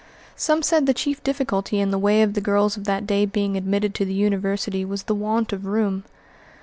Some said the chief difficulty in the way of the girls of that day being admitted to the University was the want of room.